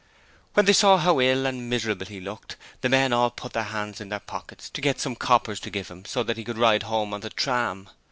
When they saw how ill and miserable he looked, the men all put their hands in their pockets to get some coppers to give to him so that he could ride home on the tram.